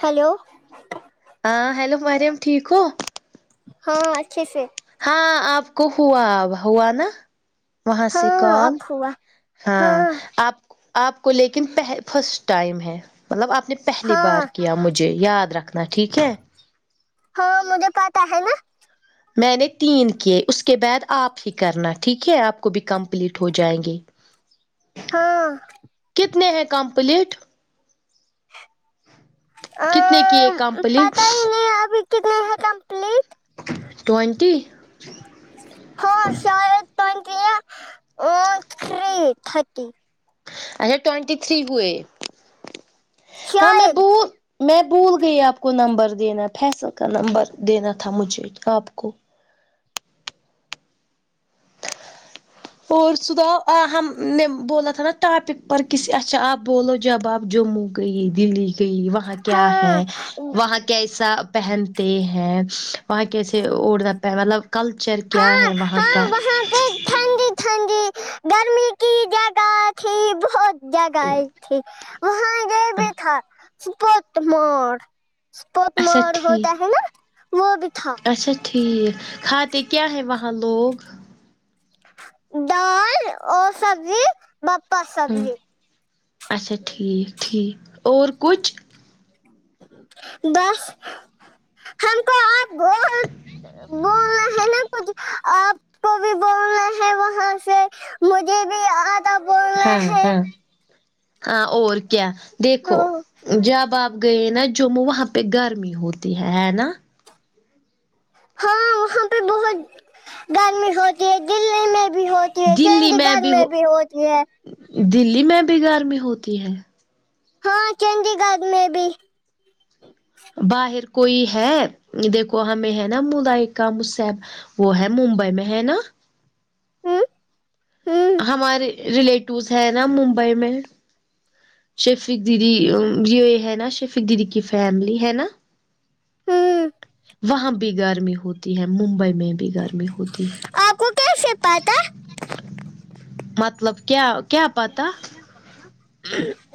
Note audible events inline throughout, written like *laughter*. hello ہاں hello Maryam ٹھیک ہو ہاں اچھے سے ہاں آپ کو ہوا ہوا نا وہاں سے ہاں کال اب ہوا ہاں آپ آپ کو لیکن پہ فسٹ ٹائم ہے مطلب آپ نے پہلی ہاں بار کیا مجھے یاد رکھنا ٹھیک ہے ہاں مجھے پاتا ہے نا میں نے تین کیے اس کے بعد آپ ہی کرنا ٹھیک ہے آپ کو بھی کمپلیٹ ہو جائیں گے ہاں کتنے ہیں کمپلیٹ کتنے کیے کامپلیٹ پتا ہی نہیں ابھی کتنے ہے کمپلیٹ ٹوئنٹی ہاں شاید ٹئونٹی یا تری تھرٹی اچھا ٹوینٹی تھری ہوئے ہاں میں شاید بھو میں بھول گئی آپ کو نمبر دینا فیصل کا نمبر دینا تھا مجھے آپ کو اور سناؤ ہمنے بولا تھا نا ٹوپک پر کس اچھا آپ بولو جب آپ جموں گئی دلی گئی وہاں کیا ہے ہاں وہاں کیسا پہنتے ہیں وہاں کیسے اورڈ مطلب کلچر کیا ہے وہاں کا یہاں پہ ٹھنڈی ٹھنڈی گرمی کی جگہ تھی بہت جگہ تھی وہاں یہ بھی تھا سپت مڑ سپوت اچھا مور ہوتا ہے ٹھیک نا وہ بھی تھا اچھا ٹھیک کھاتے کیا ہیں وہاں لوگ دال اور سبزی *unintelligible* ہاں سبزی اچھا ٹھیک ٹھیک اور کچھ بس ہم کو آپ بو بولنا ہے نا کچھ آپ کو بھی بو نا ہے وہاں سے مجھے بھی ادا بو ہاں ہاں ہاں اور کیا دیکھو ہاں جب آپ گئے نا جمو وہاں پہ گرمی ہوتی ہے ہے نا ہاں وہاں پہ بہت گرمی ہوتی ہے دلی میں بھی ہوتی چندی گرڈ میں بھی ہوتی ہے دلی میں بھی گرمی ہوتی ہے ہاں چندی گڑھ میں بھی باہر کوئی ہے دیکھو ہمیں ہے نا ملائکا مصب وہ ہے ممبئی میں ہے نا ہوں ہوں ہمارے ریلیٹیوز ہے نا ممبئی میں شیفق دیدی یہ ہے نا شیفق دیدی کی فیملی ہے نا ہوں وہاں بھی گرمی ہوتی ہے ممبئی میں گرمی ہوتی ہے آپ کو کیسے پاتا مطلب کیا کیا پتہ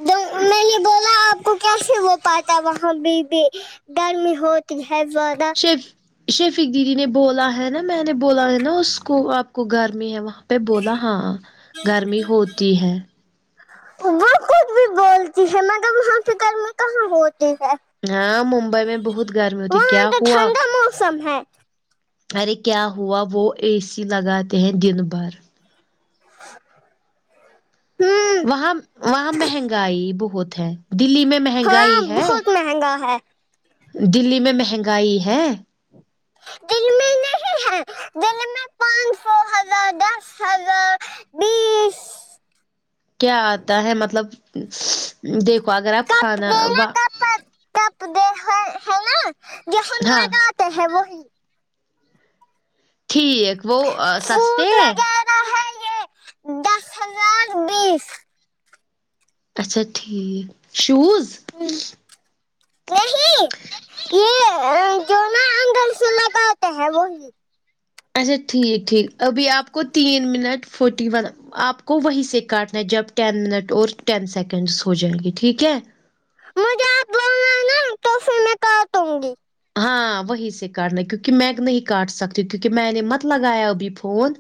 نے میں یہ بول رہا آپ کو کیسے وہ پاتا ہے وہاں پے بھی گرمی ہوتی ہے زیادہ شیفک دیدی نے بولا ہے نا میں نے بولا ہے نا اس کو آپ کو گرمی ہے وہاں پہ بولا ہاں گرمی ہوتی ہے وہ خود بھی بولتی ہے مگر وہاں پے گرمی کہاں ہوتی ہے ہاں ممبئی میں بہت گرمی ہوتی کیا وہاں تو ہوا ٹھنڈا موسم ہے ارے کیا ہوا وہ اے سی لگاتے ہیں دن بھر ہوں وہاں وہاں مہنگائی بہت ہے دلی میں ہاں مہنگائی ہے بہت مہنگا ہے دلی میں مہنگائی ہے دلی میں نہیں ہے دلی میں پانچ سو دو ہزار دس ہزار بیس کیا آتا ہے مطلب دیکھو اگر آپ کھانا وا تب تب ہے نا جو ہم ہاں لگاتے ہیں وہی ٹھیک وہ آ سستے سوٹ ہے وغیرہ ہے یہ دس ہزار بیس اچھا ٹھیک شوز ہم نہیں یہ او جو نا منگل سے لگاتے ہیں وہی اچھا ٹھیک ٹھیک ابھی آپ کو تین منٹ فورٹی ون آپ کو وہیں سے کاٹنا ہے جب ٹین منٹ اور ٹین سیکنڈس ہو جائیں گی ٹھیک ہے مجھے آپ بولنا ہے نا تو پھر میں کاٹوں گی ہاں وہی سے کاٹنا کیونکہ میں نہیں کاٹ سکتی کیونکہ میں نے مت لگایا ابھی فون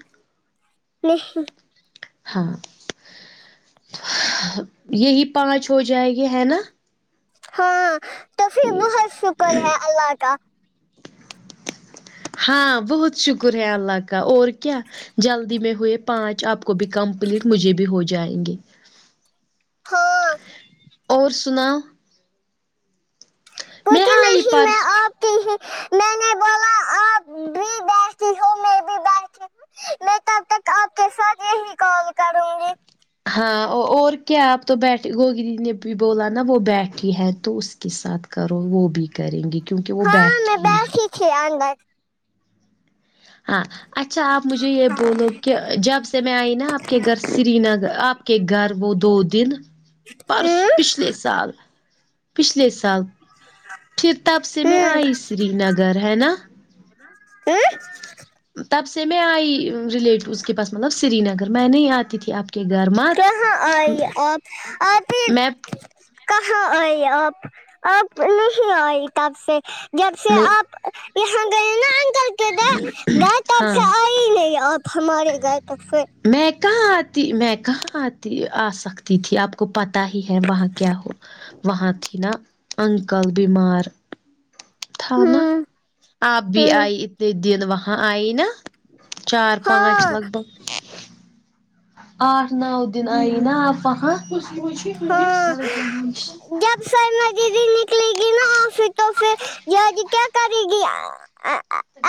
نہیں ہاں یہی پانچ ہو جائے گی ہے نا ہاں تو پھر بہت شکر ہے اللہ کا ہاں بہت شکر ہے اللہ کا اور کیا جلدی میں ہوئے پانچ آپ کو بھی کمپلیٹ مجھے بھی ہو جائیں گے ہاں اور سناو میں پتہ آئی نہیں میں پرس آپ میں نے بولا آپ بھی بیٹھی ہو میں بھی بیٹھی میں تب تک آپ کے ساتھ یہی کال کروں گی ہاں اور کیا آپ تو بیٹھی ہوگی نئی نے بھی بولا نا وہ بیٹھی ہے تو اس کے ساتھ کرو وہ بھی کریں گے کیونکہ وہ بیٹھے ہی کیا اندر ہاں اچھا آپ مجھے یہ بولو کہ جب سے میں آئی نا آپ کے گھر سری نگر آپ کہ گھر وہ دو دن پرسو ہوں پچھلے سال پچھلے سال پھر تب سے میں ہوں آئی سری نگر ہے نا ایے تب سے میں آئی ریلیٹوز کے پاس مطلب سری نگر میں نہیں آتی تھی آپ کے گھر مت کہاں آئی آپ آ پھر میں کہاں آئی آپ آپ نہیں آئی تب سے جب سے نہیں آپ یہاں گئے نا انکل کے گھر تب ہاں سے آے کہ آپ ہمارے گئے تو پھر میں کہاں آتی میں کہاں آتی آ سکتی تھی آپ کو پتہ ہی ہے وہاں کیا ہو وہاں تھی نا انکل بیمار تھا نا ہوں آپ بھی ہوں آئی اتنے دن وہاں آئی نا چار پانچ ہاں لگ بھگ آٹھ نو دن آئی نا آپ وہاں ہاں جب سرمہ دیدی نکلے گی نا آفس تو پھر *unintelligible* کیا کرے گی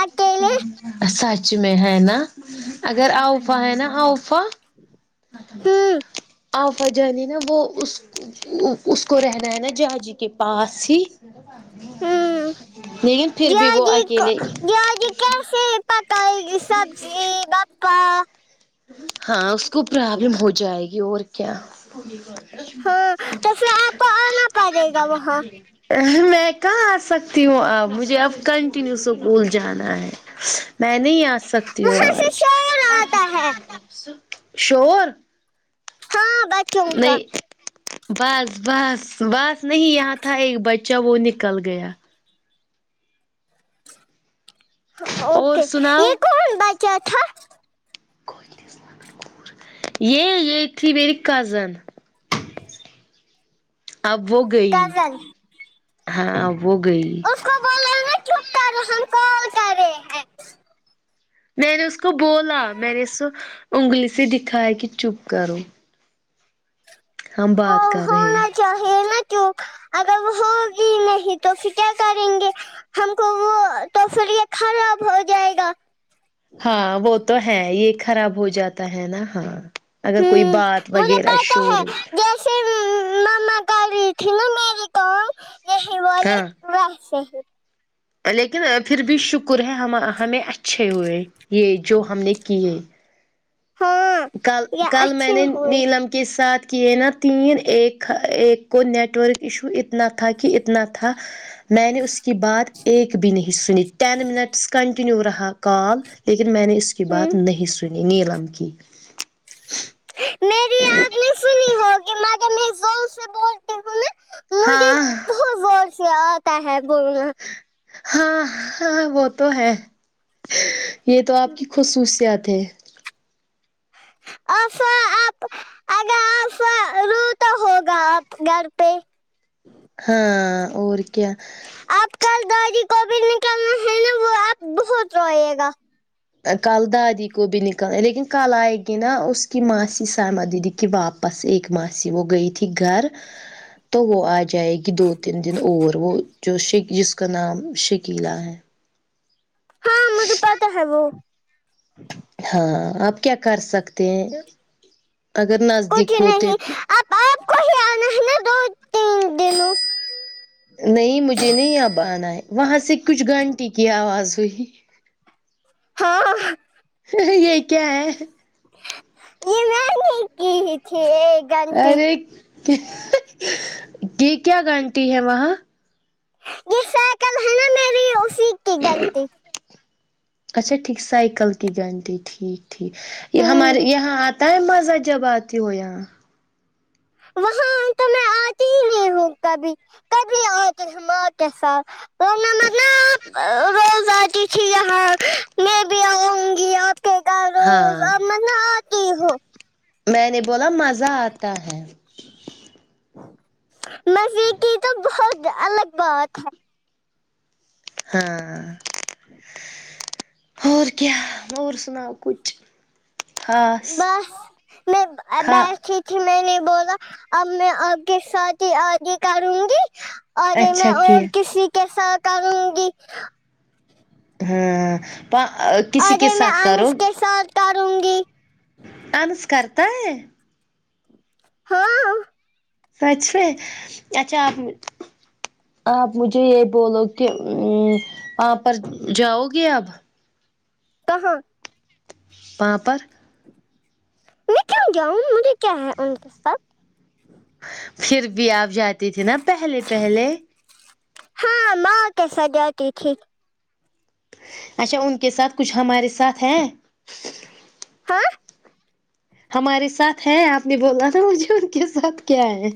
اکیلے سچ میں ہے نا اگر اؤفا ہے نا آؤفا ہوں آفا جانی نا وہ اس اس کو رہنا ہے نا جاجی کے پاس ہی ہوں لیکن پھر بھی وہ اکیلے جیاجی کیسے پکائے گی سبزی بپا ہاں اس کو پرابلم ہو جائے گی اور کیا ہاں تو پھر آپ کو آنا پڑے گا وہاں میں کہاں آ سک تیو آ مجھے اب کنٹینیو اسکول جانا ہے میں نہیں آ سکتی ہوں وہاں سے شور آتا ہے آج شور ہاں بچوں کا نہیں بس بس بس نہیں یہاں تھا ایک بچہ وہ نکل گیا اور اوکے یے سناؤ کون بچہ تھا یے یے تھی میریر کزن اب وہ گئی کزن ہاں وہ گئی اس کو بولو ناما چپ کرے ہم کال کرے ہیں میں نے اس کو بولا میں نے اس کو انگلی سے دکھیا کی چپ کرو ہم بات کر رہے ہیں چاہے نہا تو اگر ہو بھی نہیں تو پھر کیا کریں گے ہم کو وہ توفھر یے خراب ہو جائے گا ہاں وہ تو ہے یے خراب ہو جاتا ہے نا ہاں اگر کوئی بات وغیرہ شور جسے مما کر رہی تھی نا میری کو یہی بولے ہاں ویسے ہی لیکن پھر بھی شکر ہے ہم ہمیں اچھے ہوئے یے جو ہم نے کیے ہاں کل یہ کل میں اچھے نے ہوئے نیلم کے ساتھ کیے نا تین ایک ایک کو نیٹورک ایشو اتنا تھا کی اتنا تھا میں نے اس کی بات ایک بھی نہیں سنی ٹین منٹس کنٹ تینیو رہا کال لیکن میں نے اس کی ہوں بات نہیں سنی نیلم کی ہ تی ہوگی مگر میں زور سے بولتی ہوں نا مجھے ہاں زور سے آتا ہے بولنا ہاں ہاں وہ تو ہے یہ تو آپ کی خصوصیات ہے افا آپ اگر آفا رو تا ہوگا آپ گھر پہ ہاں اور کیا آپ کل دادی کوبھی نکلنا ہے نا وہ اب بہت روئے گا کل دادی کو بھی نکالنا لیکن کل آئے گی نا اس کی ماسی سمہ دیدی کہ واپس اک ماسی وہ گئی تھی گھر تو وہ آ جائے گی دو تین دن اور وہ جو ش جس کا نام شکیلا ہے ہاں مجھے پتا ہے وہ ہاں اب کیا کر سکتے ہیں اگر نزدیک کچھ ہوتے نہیں تو اب آپ کو ہی آنا ہے نا دو تین دنوں نہیں مجھے نہیں اب آنا ہے وہاں سے کچھ گھنٹی کی آواز ہوئی ہاں یہ کیا ہے یہ نانی کی ہی تھی ایک گھنٹے ارے یہ کیا گنٹی ہے وہاں یہ سائیکل ہے نا میری اسی کی بیل تھی اچھا ٹھیک سائیکل کی گھنٹی ٹھیک ٹھیک ہوں ہمارے یہاں آ تا ہیں مزہ جب اتی ہوں یہاں وہاں تو میں آتی ہی نہیں ہوں کبھی کبھی آؤ تی ماں کیسا *unintelligible* روز آتی تھی یہاں میں بھی آؤں گی آپ کے گھر ہاں روز اب نا آتی ہوں میں نے بولا مزہ آتا ہے مزے کی تو بہت الگ بات ہے ہاں *unintelligible* اور کیا اور سناؤ کچھ خاص بس میں کا بار میں نے بولا اب میں آپ کے ساتھ ہی آگے کروں گی اگے میں اچھا اور کیا کسی کی ساتھ کروں گی ہاں پ ارے میں آنس کے ساتھ کروگی انس کرتا ہے ہاں سچ ہے اچھا آپ آپ مجھے یہ بولو کہ وہاں پر جاؤ گے اب کہاں پا پر میں کیوں جاؤں مجھے کیا ہے ان کے ساتھ پھر بھی آپ جاتی تھی نا پہلے پہلے ہاں ماں کے ساتھ جاتی تھی اچھا ان کے ساتھ کچھ ہمارے ساتھ ہیں ہاں ہمارے ساتھ ہیں آپ نے بولا نا مجھے ان کے ساتھ کیا ہے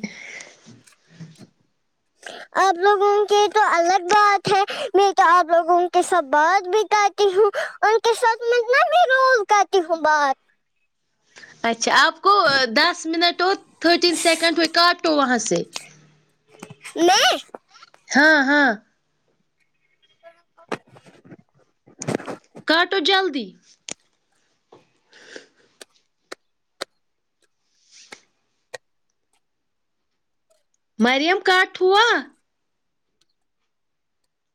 *unintelligible* آپ لوگوں کی تو الگ بات ہے میں تو آپ لوگوں کی سب بات بھی کر ہوں ان کے ساتھ میں نہ بھی روز کرتی ہوں میں بات اچھا آپ کو دس منٹ اور تھرٹین سیکنڈ ہو کاٹو وہاں سے میں ہاں ہاں *unintelligible* کاٹوجلدی مریم کٹ ہوا